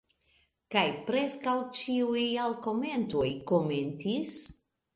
Kaj preskaŭ ĉiuj alkomentoj komentis: